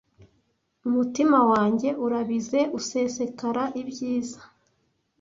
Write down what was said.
Umutima wanjye urabize usesekara ibyiza